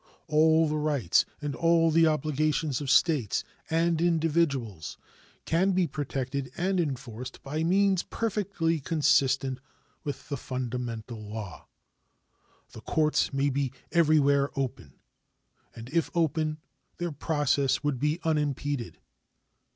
All the rights and all the obligations of States and individuals can be protected and enforced by means perfectly consistent with the fundamental law. The courts may be everywhere open, and if open their process would be unimpeded.